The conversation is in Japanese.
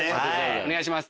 お願いします。